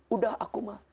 udah aku mah